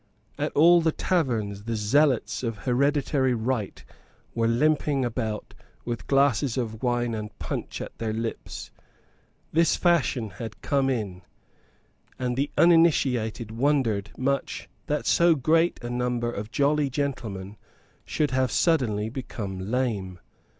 At all the taverns the zealots of hereditary right were limping about with glasses of wine and punch at their lips. This fashion had just come in; and the uninitiated wondered much that so great a number of jolly gentlemen should have suddenly become lame.